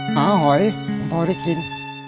หอยพอได้กิน